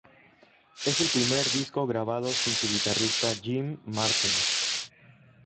Es el primer disco grabado sin su guitarrista Jim Martin.